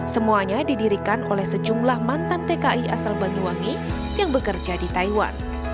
semuanya didirikan oleh sejumlah mantan tki asal banyuwangi yang bekerja di taiwan